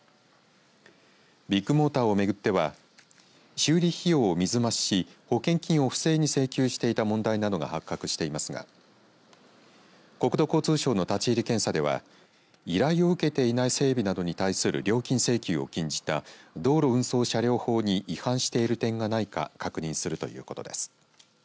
ビッグモーターを巡っては修理費用は水増しし保険金を不正に請求していた問題などが発覚していますが国土交通省の立ち入り検査では依頼を受けていない整備などに対する料金請求を禁じた道路運送車両法に違反している点がないか確認するということです。